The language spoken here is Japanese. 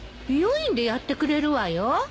美容院でやってくれるわよ。